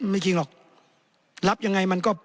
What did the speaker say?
ไม่จริงหรอกรับยังไงมันก็